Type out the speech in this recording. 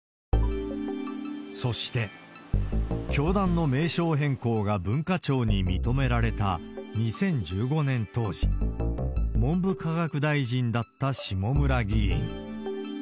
そして、教団の名称変更が文化庁に認められた２０１５年当時、文部科学大臣だった下村議員。